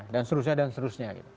dan seterusnya dan seterusnya